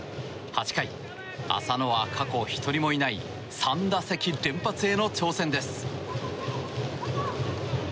８回、浅野は過去１人もいない３打席連発への挑戦です。